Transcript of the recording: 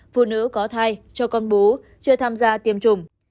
phụ nữ có thai cho con bố chưa tham gia tiêm chủng